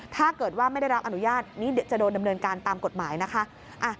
ถ้าเกิดว่าไม่ได้รับอนุญาตนี้เดี๋ยวจะโดนดำเนินการตามกฎหมายนะคะ